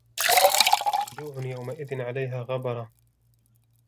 وَوُجُوهٌ يَوْمَئِذٍ عَلَيْهَا غَبَرَةٌ